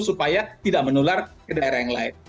supaya tidak menular ke daerah yang lain